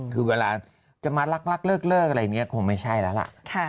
คือเวลาจะมารักเลิกอะไรอย่างนี้คงไม่ใช่แล้วล่ะ